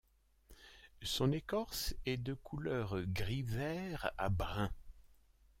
Son écorce est de couleur gris-vert à brun.